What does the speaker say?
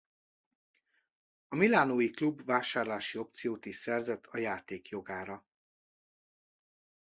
A milánói klub vásárlási opciót is szerzett a játékjogára.